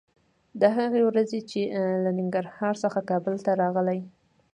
د هغې ورځې چې له ننګرهار څخه کابل ته راغلې